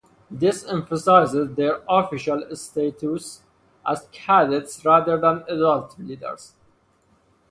This emphasises their official status as cadets rather than adult leaders.